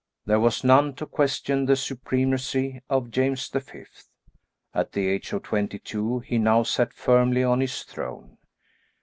There was none to question the supremacy of James the Fifth. At the age of twenty two he now sat firmly on his throne.